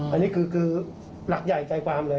อันนี้คือหลักใหญ่ใจความเลย